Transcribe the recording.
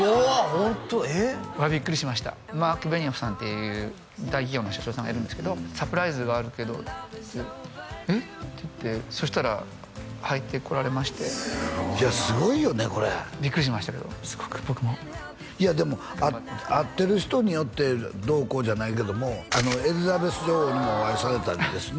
ホントこれはビックリしましたマーク・ベニオフさんっていう大企業の社長さんがいるんですけどサプライズがあるけどって「えっ？」って言ってそしたら入ってこられましていやすごいよねこれビックリしましたけどすごく僕もいやでも会ってる人によってどうこうじゃないけどもエリザベス女王にもお会いされたりですね